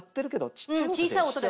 小さい音ですね。